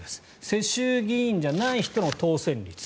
世襲議員じゃない人の当選率。